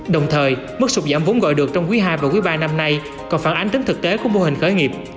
đồng thời mức sụt giảm vốn gọi được trong quý ii và quý ba năm nay còn phản ánh tính thực tế của mô hình khởi nghiệp